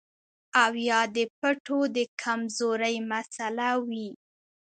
او يا د پټو د کمزورۍ مسئله وي